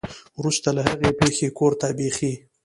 ورورسته له هغې پېښې کور ته بېخي